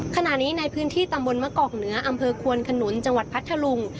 ขณะนี้ในพื้นที่ตำบลมะกอกเหนืออำเภอควนขนุนจังหวัดพัทธลุง